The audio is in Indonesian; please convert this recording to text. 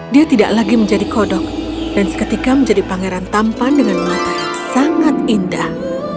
dia tidak lagi menjadi kodok dan seketika menjadi pangeran tampan dengan mata yang sangat indah